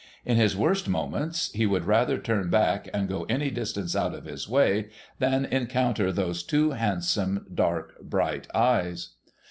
In his worst moments, he would rather turn back, and go any distance out of his way, than encounter those two handsome, dark, bright eyes.